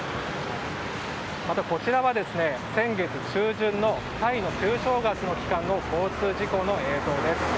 また、こちらは先月中旬のタイの旧正月の期間の交通事故の映像です。